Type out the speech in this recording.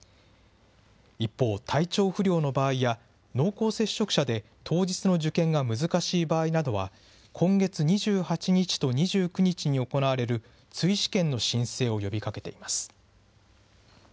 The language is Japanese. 一方、体調不良の場合や、濃厚接触者で当日の受験が難しい場合などは、今月２８日と２９日に行われる追試験の申請を呼びかけています。